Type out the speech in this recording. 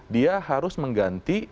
dia harus mengganti